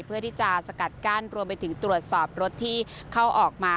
เพื่อที่จะสกัดกั้นรวมไปถึงตรวจสอบรถที่เข้าออกมา